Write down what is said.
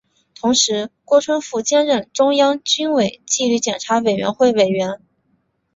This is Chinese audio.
同时郭春富兼任中央军委纪律检查委员会委员。